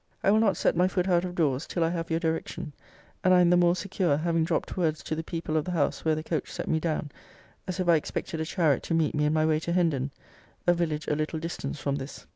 I will not set my foot out of doors, till I have your direction: and I am the more secure, having dropt words to the people of the house where the coach set me down, as if I expected a chariot to meet me in my way to Hendon; a village a little distance from this.